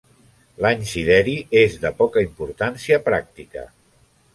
L'any sideri és de poca importància pràctica.